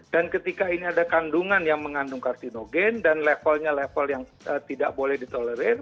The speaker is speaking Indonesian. dan ketika ini ada kandungan yang mengandung karsinogen dan levelnya level yang tidak boleh ditolerir